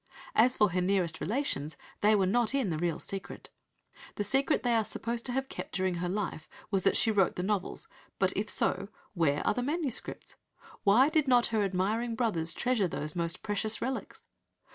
As for her nearest relations, they were not in the real secret. The secret they are supposed to have kept during her life was that she wrote the novels, but if so, where are the MSS.? Why did not her admiring brothers treasure those most precious relics?